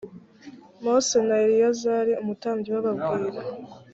mose na eleyazari umutambyi bababwirira